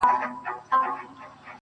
ښه اخلاق د شخصیت تاج دی.